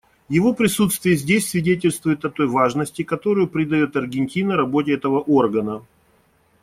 Его присутствие здесь свидетельствует о той важности, которую придает Аргентина работе этого органа.